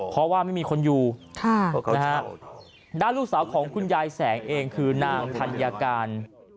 เพราะว่าไม่มีคนอยู่ด้านลูกสาวของคุณยายแสงเองคือนางธัญการ